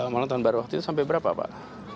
mulai tahun baru waktu itu sampai berapa pak